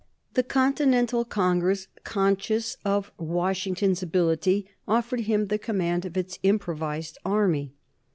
The Continental Congress, conscious of Washington's ability, offered him the command of its improvised army.